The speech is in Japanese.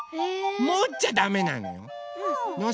もっちゃダメなの。